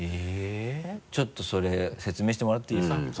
ちょっとそれ説明してもらっていいですか？